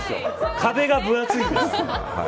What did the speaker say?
壁が分厚いんです。